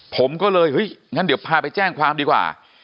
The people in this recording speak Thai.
ผมก็เลยเฮ้ยงั้นเดี๋ยวพาไปแจ้งความดีกว่า